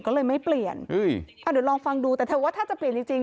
ก็เลยไม่เปลี่ยนเอาเดี๋ยวลองฟังดูแต่ถ้าเธอว่าจะเปลี่ยนจริง